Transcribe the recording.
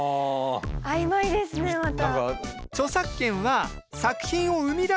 曖昧ですねまた。